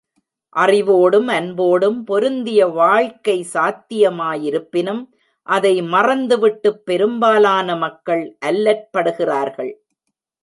அறிவோடும் அன்போடும் பொருந்திய வாழ்க்கை சாத்தியமாயிருப்பினும், அதை மறந்து விட்டுப் பெரும்பாலான மக்கள் அல்லற்படுகிறார்கள்.